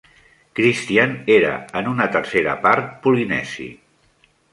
Christian era en una tercera part polinesi.